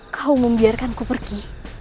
kau membiarkan ku pergi